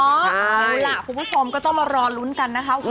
เอาล่ะคุณผู้ชมก็ต้องมารอลุ้นกันนะคะ